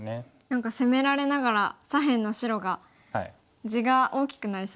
何か攻められながら左辺の白が地が大きくなりそうですね。